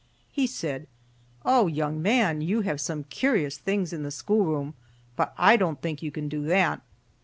He said, "Oh! young man, you have some curious things in the school room, but I don't think you can do that."